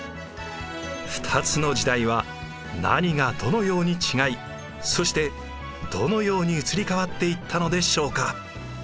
２つの時代は何がどのように違いそしてどのように移り変わっていったのでしょうか。